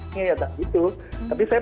ini atau itu tapi saya